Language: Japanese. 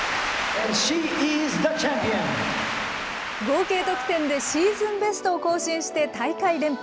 合計得点でシーズンベストを更新して大会連覇。